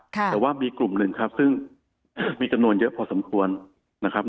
แต่ว่ามีกลุ่มหนึ่งครับซึ่งมีจำนวนเยอะพอสมควรนะครับ